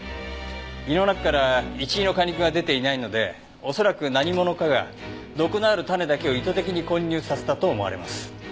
胃の中からイチイの果肉が出ていないので恐らく何者かが毒のある種だけを意図的に混入させたと思われます。